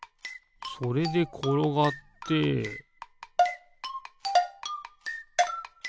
それでころがってピッ！